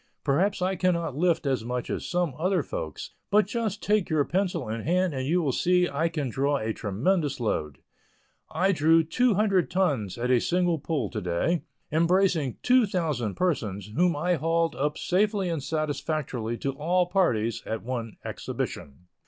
Perhaps I cannot lift as much as some other folks, but just take your pencil in hand and you will see I can draw a tremendous load. I drew two hundred tons at a single pull to day, embracing two thousand persons, whom I hauled up safely and satisfactorily to all parties, at one exhibition.